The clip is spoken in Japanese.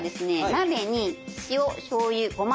鍋に塩しょうゆごま